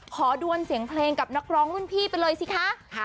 ดวนเสียงเพลงกับนักร้องรุ่นพี่ไปเลยสิคะ